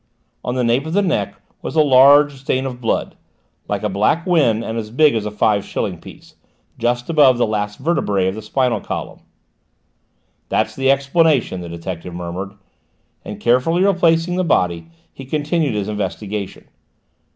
On the nape of the neck was a large stain of blood, like a black wen and as big as a five shilling piece, just above the last vertebra of the spinal column. "That's the explanation," the detective murmured, and carefully replacing the body he continued his investigation.